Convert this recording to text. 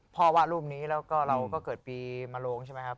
วาดรูปนี้แล้วก็เราก็เกิดปีมโลงใช่ไหมครับ